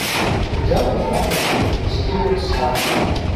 Adele was watching her with a satiric smile.